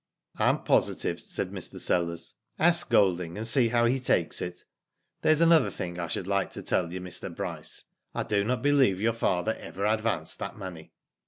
I am positive," said Mr. Sellers. " Ask Golding and see how he takes it. There is another thing I should like to tell you, Mr. Bryce. I do not believe your father ever advanced that money."